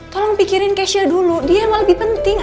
tolong pikirin keisha dulu dia yang lebih penting